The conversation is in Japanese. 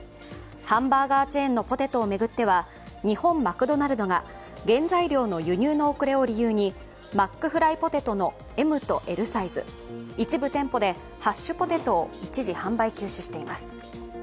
ハンバーガーチェーンのポテトを巡っては日本マクドナルドが原材料の輸入の遅れを理由にマックフライポテトのＭとＬサイズ、一部店舗でハッシュポテトを一時、販売休止しています。